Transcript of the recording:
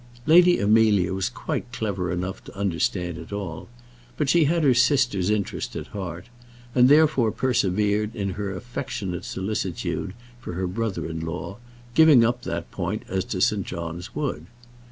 Lady Amelia was quite clever enough to understand it all; but she had her sister's interest at heart, and therefore persevered in her affectionate solicitude for her brother in law, giving up that point as to St. John's Wood.